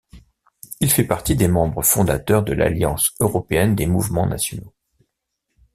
Il fait partie des membres fondateurs de l’Alliance européenne des mouvements nationaux.